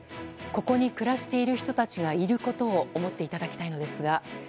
ここに暮らしている人たちがいることを思っていただきたいのですが。